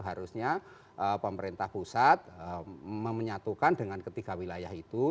harusnya pemerintah pusat memenyatukan dengan ketiga wilayah itu